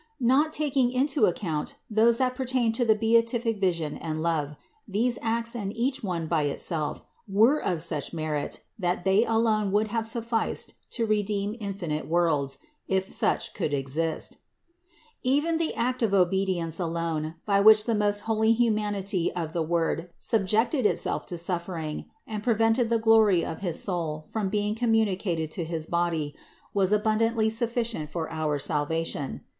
Not taking into account those that pertain to the beatific vision and love, these acts and each one by itself, were of such merit that they alone would have sufficed to redeem infinite worlds, if such could exist. 148. Even the act of obedience alone, by which the most holy humanity of the Word subjected itself to suf fering and prevented the glory of his soul from being communicated to his body, was abundantly sufficient for our salvation.